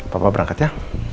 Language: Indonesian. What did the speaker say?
papa berangkat ya